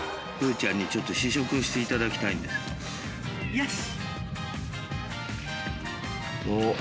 よし。